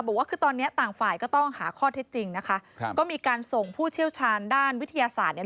บอกว่าคือตอนเนี้ยต่างฝ่ายก็ต้องหาข้อเท็จจริงนะคะครับก็มีการส่งผู้เชี่ยวชาญด้านวิทยาศาสตร์เนี่ย